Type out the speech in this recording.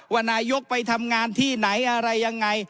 ว่านายกไปทำงานที่ไหนอะไรยังไง